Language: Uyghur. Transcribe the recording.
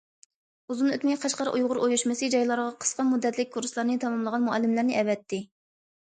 ئۇزۇن ئۆتمەي قەشقەر ئۇيغۇر ئۇيۇشمىسى جايلارغا قىسقا مۇددەتلىك كۇرسلارنى تاماملىغان مۇئەللىملەرنى ئەۋەتتى.